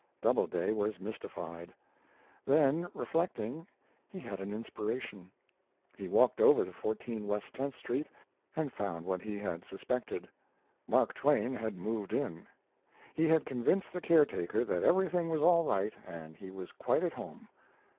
Doubleday was mystified; then, reflecting, he had an inspiration. He walked over to 14 West Tenth Street and found what he had suspected Mark Twain had moved in. He had convinced the caretaker that everything was all right and he was quite at home.